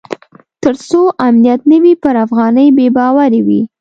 تر څو امنیت نه وي پر افغانۍ بې باوري وي.